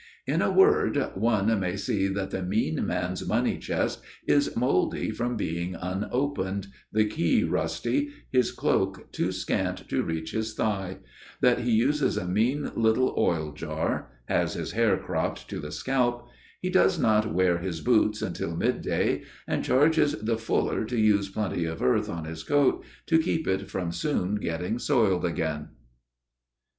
In a word, one may see that the mean man's money chest is mouldy from being unopened, the key rusty, his cloak too scant to reach his thigh; that he uses a mean little oil jar, has his hair cropped to the scalp; he does not wear his boots until midday, and charges the fuller to use plenty of earth on his coat to keep it from soon getting soiled again.